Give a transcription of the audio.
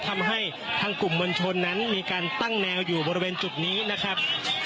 ทำให้ทางกลุ่มมวลชนนั้นมีการตั้งแนวอยู่บริเวณจุดนี้นะครับ